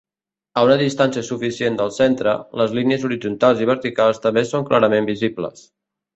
A una distància suficient del centre, les línies horitzontals i verticals també són clarament visibles.